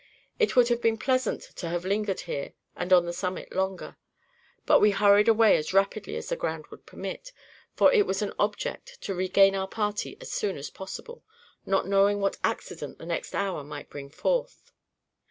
It would have been pleasant to have lingered here and on the summit longer; but we hurried away as rapidly as the ground would permit, for it was an object to regain our party as soon as possible, not knowing what accident the next hour might bring forth.'"